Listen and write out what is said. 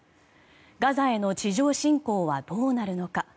ガザへの地上侵攻はどうなるのか。